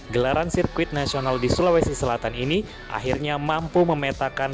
gelaran sirkuit nasional di sulawesi selatan ini akhirnya mampu memetakan